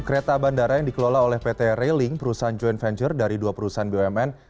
kereta bandara yang dikelola oleh pt railing perusahaan joint venture dari dua perusahaan bumn